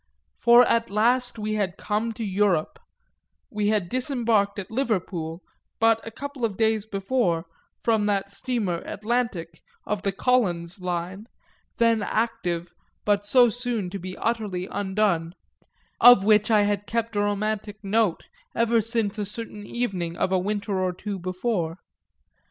For at last we had come to Europe we had disembarked at Liverpool, but a couple of days before, from that steamer Atlantic, of the Collins line, then active but so soon to be utterly undone, of which I had kept a romantic note ever since a certain evening of a winter or two before.